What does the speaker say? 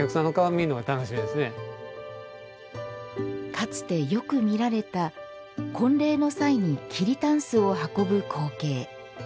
かつてよく見られた婚礼の際に桐たんすを運ぶ光景。